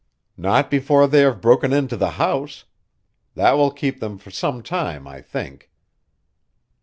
"Not before they have broken into the house. That will keep them for some time, I think."